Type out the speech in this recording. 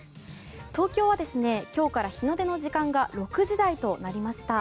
東京は今日から日の出の時間が６時台となりました。